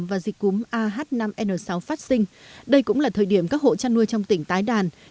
và dịch cúm ah năm n sáu phát sinh đây cũng là thời điểm các hộ chăn nuôi trong tỉnh tái đàn